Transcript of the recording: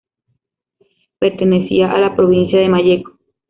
Pertenecía a la Provincia de Malleco.